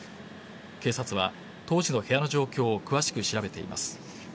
警察は当時の部屋の状況を詳しく調べています。